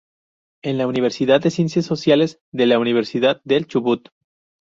En la Facultad de Ciencias Sociales de la Universidad del Chubut.